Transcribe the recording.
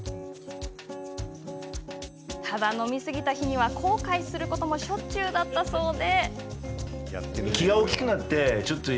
でも、飲みすぎた日には後悔することもしょっちゅうだったそうで。